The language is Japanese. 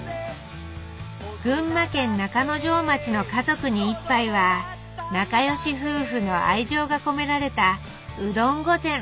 群馬県中之条町の「家族に一杯」は仲良し夫婦の愛情が込められた「うどん御膳」。